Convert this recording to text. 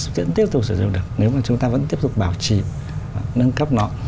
chúng ta cũng tiếp tục sử dụng được nếu mà chúng ta vẫn tiếp tục bảo trì và nâng cấp nó